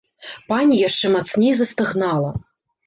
Пані яшчэ мацней застагнала.